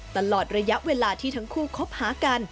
ตลอดระยะเวลาที่ทั้งคู่คบหากัน